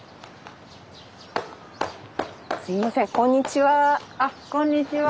すみませんこんにちは。